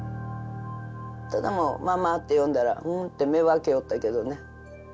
ただもう「ママ」って呼んだら「ん」って目は開けよったけどね。